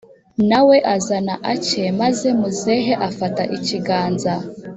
nawe azana ake maze muzehe afata ikiganza